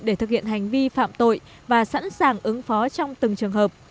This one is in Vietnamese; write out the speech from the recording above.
để thực hiện hành vi phạm tội và sẵn sàng ứng phó trong từng trường hợp